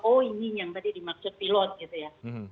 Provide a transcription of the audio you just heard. oh ini yang tadi dimaksud pilot gitu ya